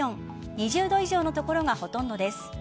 ２０度以上の所がほとんどです。